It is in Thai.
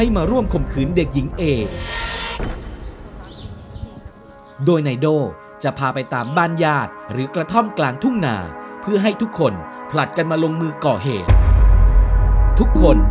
โดยข่มขืนเด็กหญิงเอโดยนายโดจะพาไปตามบ้านญาติหรือกระท่อมกลางทุ่งนาเพื่อให้ทุกคนผลัดกันมาลงมือก่อเหตุทุกคน